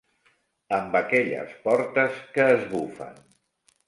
Amb aquelles portes que es bufen